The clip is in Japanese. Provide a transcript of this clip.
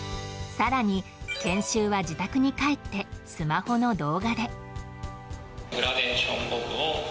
更に、研修は自宅に帰ってスマホの動画で。